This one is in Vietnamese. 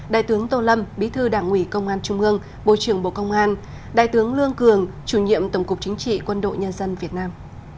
đại tướng tô lâm bí thư đảng ủy công an trung ương bộ trưởng bộ công an đại tướng lương cường chủ nhiệm tổng cục chính trị quân đội nhân dân việt nam